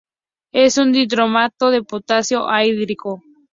Es un dicromato de potasio anhidro.